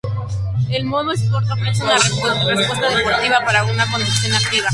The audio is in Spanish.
El modo "Sport" ofrece una respuesta deportiva para una conducción activa.